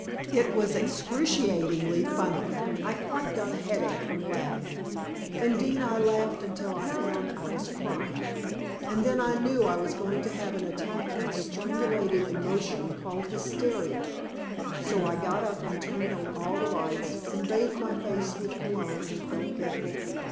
It was excruciatingly funny. I quite got a headache from laughing; indeed I laughed until I found I was crying, and then I knew I was going to have an attack of strangulated emotion, called hysteria. So I got up and turned on all the lights, and bathed my face with cologne, and felt better.